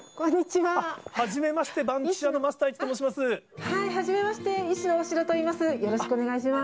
はじめまして、はじめまして、医師の大城と申します。